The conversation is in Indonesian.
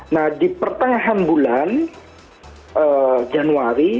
nah di pertengahan bulan januari